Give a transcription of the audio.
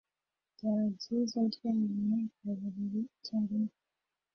Byaba byiza uryamye mu buriri icyarimwe.